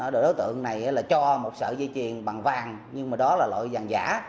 đối tượng này cho một sợi dây chuyền bằng vàng nhưng đó là loại vàng giả